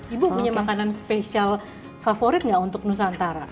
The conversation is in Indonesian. ibu punya makanan spesial favorit nggak untuk nusantara